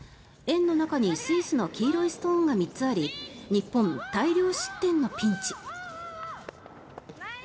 円の中にスイスの黄色いストーンが３つあり日本、大量失点のピンチ。